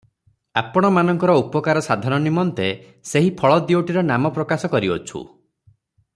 ଆପଣମାନଙ୍କର ଉପକାର ସାଧନ ନିମନ୍ତେ ସେହି ଫଳ ଦିଓଟିର ନାମ ପ୍ରକାଶ କରିଅଛୁ ।